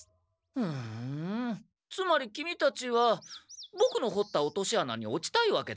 ふんつまりキミたちはボクのほった落とし穴に落ちたいわけだね？